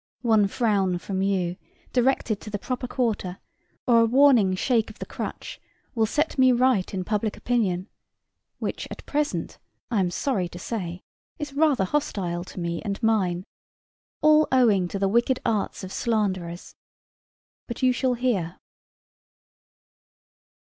One frown from you, directed to the proper quarter, or a warning shake of the crutch, will set me right in public opinion, which at present, I am sorry to say, is rather hostile to me and mine all owing to the wicked arts of slanderers. But you shall hear.